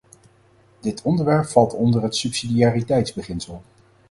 Dit onderwerp valt onder het subsidiariteitsbeginsel.